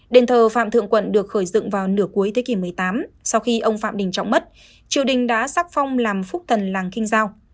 đền thờ phạm thượng quận được khởi dựng vào nửa cuối thế kỷ một mươi tám sau khi ông phạm đình trọng mất triều đình đã xác phong làm phúc tần làng kinh giao